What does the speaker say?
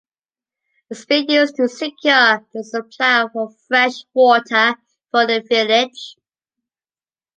The spring used to secure the supply of fresh water for the village.